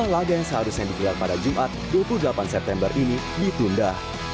laga yang seharusnya dikelar pada jumat dua puluh delapan september ini ditunda